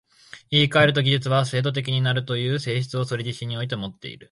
言い換えると、技術は制度的になるという性質をそれ自身においてもっている。